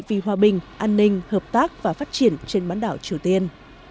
vì hòa bình an ninh hợp tác và phát triển trên bán đảo triều tiên